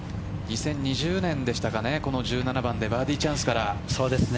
２０２０年でしたかね、１７番でバーディーチャンスから。